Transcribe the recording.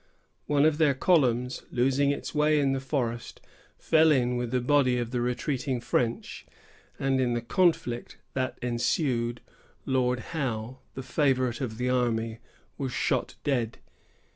One of their columns, losing its way in the forest, fell in with a body of the retreating French; and in the conflict that ensued, Lord Howe, the favorite of the army, was shot dead.